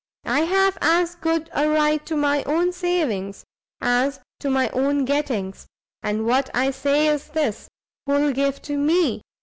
I have as good a right to my own savings, as to my own gettings; and what I say is this, who'll give to me?